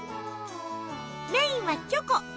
メインはチョコ。